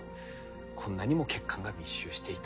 こんなにも血管が密集していたんです。